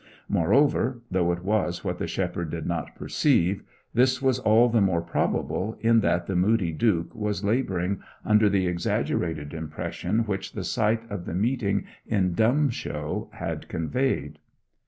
Moreover though it was what the shepherd did not perceive this was all the more probable, in that the moody Duke was labouring under the exaggerated impression which the sight of the meeting in dumb show had conveyed.